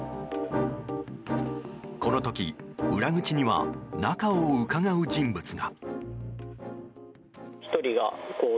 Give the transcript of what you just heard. この時、裏口には中をうかがう人物が。